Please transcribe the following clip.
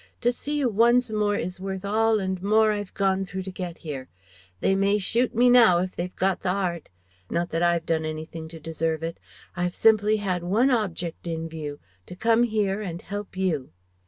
To see you once more is worth all and more I've gone through to get here. They may shoot me now, if they've got the heart Not that I've done anything to deserve it I've simply had one object in view: To come here and help you."